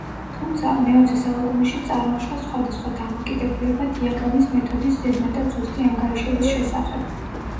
თუმცა, მეოცე საუკუნეში წარმოშვა სხვადასხვა დამოკიდებულება დიაგრამის მეთოდის ზედმეტად ზუსტი ანგარიშების შესახებ.